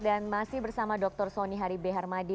dan masih bersama dr soni hari b hermadi